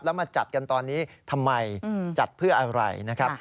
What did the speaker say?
แล้วมาจัดกันตอนนี้ทำไมจัดเพื่ออะไรนะครับ